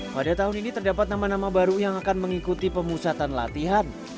pada tahun ini terdapat nama nama baru yang akan mengikuti pemusatan latihan